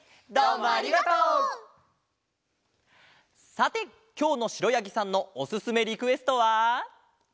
さてきょうのしろやぎさんのおすすめリクエストは。